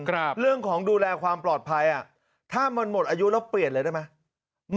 เรื่องของดูแลความปลอดภัยอ่ะถ้ามันหมดอายุแล้วเปลี่ยนเลยได้ไหม